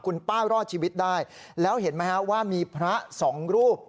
คุณป้ารอดชีวิตได้แล้วเห็นไหมฮะว่ามีพระสองรูป